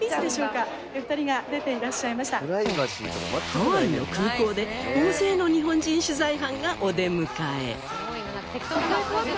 ハワイの空港で大勢の日本人取材班がお出迎え。